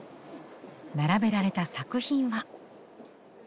並べられた作品は？